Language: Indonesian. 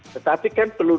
tetapi kan perlu